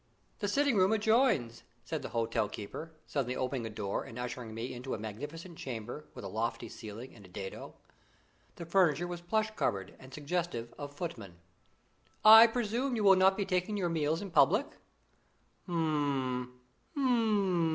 "The sitting room adjoins," said the hotel keeper, suddenly opening a door and ushering me into a magnificent chamber, with a lofty ceiling and a dado. The furniture was plush covered and suggestive of footmen. "I presume you will not be taking your meals in public?" "H'm! H'm!"